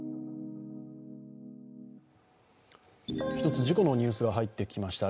１つ事故のニュースが入ってきました。